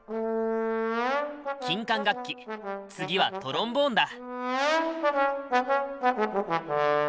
金管楽器次はトロンボーンだ。